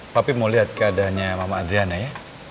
tapi mau lihat keadaannya mama adriana ya